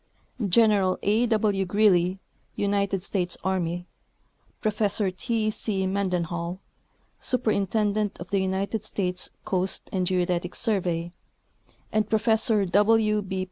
General A. W. Greely, United States Army, Professor T. C. Mendenhall, Superintendent of the United States Coast and Geodetic Survey, and Professor W. B.